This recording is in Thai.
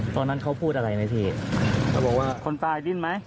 ตอนนั้นเขาพูดอะไรไหมพี่เขาบอกว่าคนตายดิ้นไหม